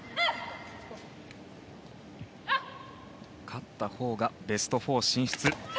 勝ったほうがベスト４進出。